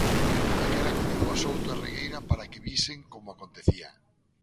Daquela, convidou a Souto e Regueira para que visen como acontecía.